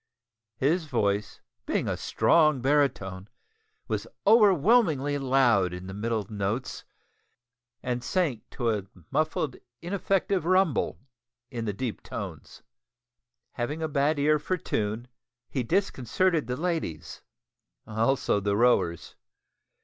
His voice, being a strong baritone, was overwhelmingly loud in the middle notes, and sank into a muffled ineffective rumble in the deep tones. Having a bad ear for tune, he disconcerted the ladies also the rowers.